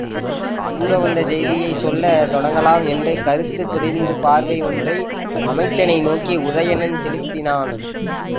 கூற வந்த செய்தியைச் சொல்லத் தொடங்கலாம் என்ற கருத்துப் பொதிந்த பார்வை ஒன்றை அமைச்சனை நோக்கி உதயணன் செலுத்தினான்.